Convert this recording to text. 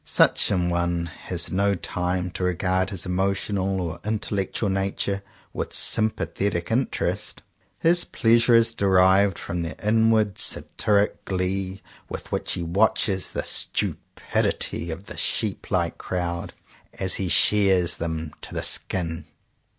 Such an one has no time to regard his emotional or intellectual nature with "sym pathetic interest." His pleasure is derived from the inward satiric glee with which he watches the stupidity of the sheep like crowd, as he shears them to the skin.